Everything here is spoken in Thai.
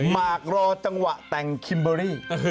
มากรอจังหวะแต่งคิมเบอรี่